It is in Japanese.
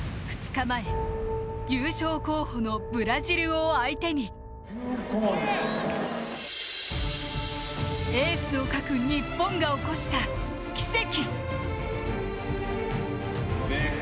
２日前、優勝候補のブラジルを相手にエースを欠く日本が起こした奇跡。